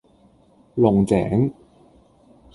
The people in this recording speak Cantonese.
龍井